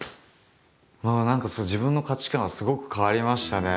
何か自分の価値観はすごく変わりましたね。